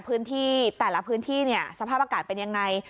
พื้นที่แต่ละพื้นที่เนี่ยสภาพอากาศเป็นยังไง